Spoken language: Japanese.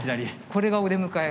これがお出迎え。